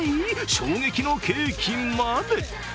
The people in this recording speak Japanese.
衝撃のケーキまで。